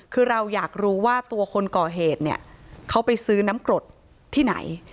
คือเราอยากรู้ว่าตัวคนก่อเหตุเนี่ยเขาไปซื้อน้ำกรดที่ไหน